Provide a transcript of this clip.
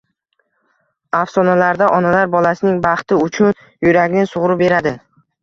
Afsonalarda onalar bolasining baxti uchun yuragini sug`urib beradi